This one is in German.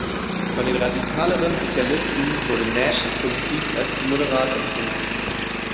Von den radikaleren Sozialisten wurde Nashs Politik als zu moderat empfunden.